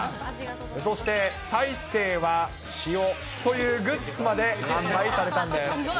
そして、大勢は塩というグッズまで販売されたんです。